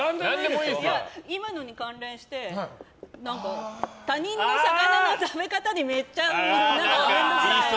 今のに関連して他人の魚の食べ方にめっちゃうるさいっぽい。